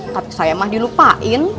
tapi saya mah dilupain